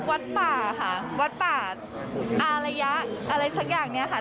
วัดป่าค่ะวัดป่าอารยะอะไรสักอย่างเนี่ยค่ะ